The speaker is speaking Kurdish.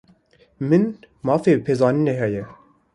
Min mafê pêzanînê heye.